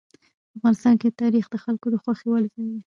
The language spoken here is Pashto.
افغانستان کې تاریخ د خلکو د خوښې وړ ځای دی.